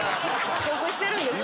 遅刻してるんですよ。